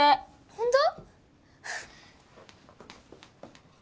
本当？